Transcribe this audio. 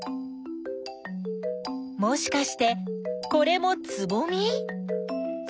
もしかしてこれもつぼみ？